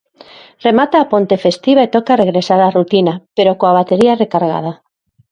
Remata a ponte festiva e toca regresar á rutina, pero coa batería recargada.